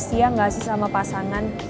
setia gak asli sama pasangan